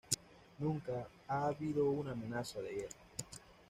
Nunca ha habido una amenaza de guerra.